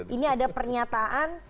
ini ada pernyataan